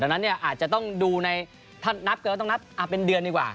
ดังนั้นอาจจะต้องถ้านับตัวต้องนับเป็นเดือนดีกว่า